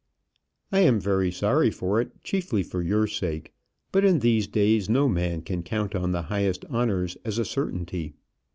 I am very sorry for it, chiefly for your sake; but in these days no man can count on the highest honours as a certainty.